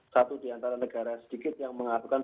satu diantara negara sedikit yang mengatakan